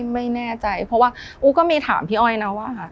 ไม่แน่ใจเพราะว่าอู๊ก็มีถามพี่อ้อยนะว่าค่ะ